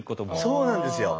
そうなんですよ。